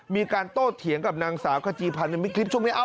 มีการโต้เถียงกับนางสาวขจีพันธ์มีคลิปช่วงนี้